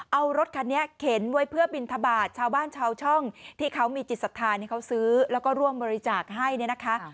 เอารถคันนี้เข็นไว้เพื่อบินทบาทชาวบ้านชาวช่องที่เขามีจิตศรัทธาที่เขาซื้อแล้วก็ร่วมบริจาคให้เนี่ยนะคะ